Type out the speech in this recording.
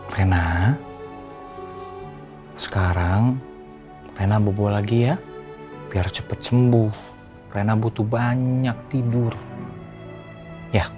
rena sekarang rena bubuk lagi ya biar cepet sembuh rena butuh banyak tidur ya